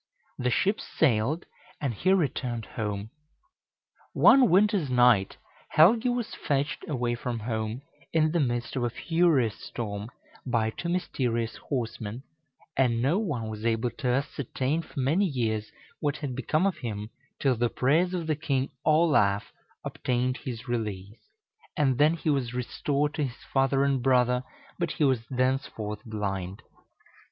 The ships sailed, and he returned home. One winter's night Helgi was fetched away from home, in the midst of a furious storm, by two mysterious horsemen, and no one was able to ascertain for many years what had become of him, till the prayers of the king, Olaf, obtained his release, and then he was restored to his father and brother, but he was thenceforth blind.